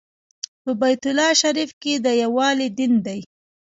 په بیت الله شریف کې د یووالي دین دی.